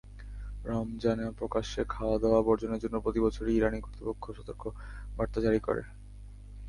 রমজানে প্রকাশ্যে খাওয়া-দাওয়া বর্জনের জন্য প্রতিবছরই ইরানি কর্তৃপক্ষ সতর্কবার্তা জারি করে।